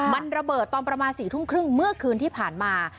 มันระเบิดตอนประมาณ๔ทุ่มครึ่งเมื่อคืนที่ผ่านมา